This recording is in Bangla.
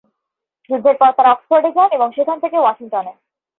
যুদ্ধের পর তারা অক্সফোর্ডে যান, এবং সেখান থেকে ওয়াশিংটনে।